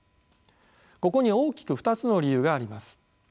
ここに大きく２つの理由があります。